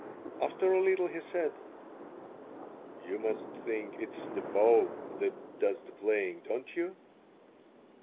After a little he said: "You must think it is the bow that does the playing, don't you?"